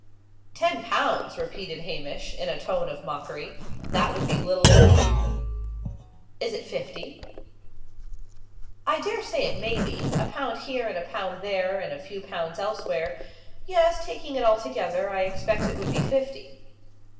"Ten pounds!" repeated Hamish, in a tone of mockery. "That would be little indeed." "Is it fifty?" "I dare say it may be. A pound here and a pound there, and a few pounds elsewhere yes, taking it altogether, I expect it would be fifty."